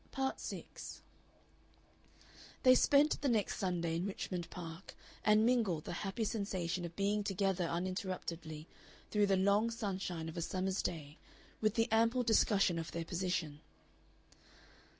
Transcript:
Part 6 They spent the next Sunday in Richmond Park, and mingled the happy sensation of being together uninterruptedly through the long sunshine of a summer's day with the ample discussion of their position.